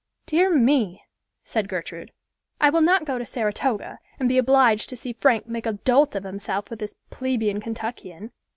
"Dear me," said Gertrude, "I will not go to Saratoga, and be obliged to see Frank make a dolt of himself with this plebian Kentuckian.